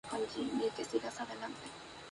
Remodeló la fachada en un estilo neoclásico.